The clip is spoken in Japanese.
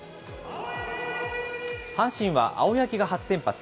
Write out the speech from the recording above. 阪神は青柳が初先発。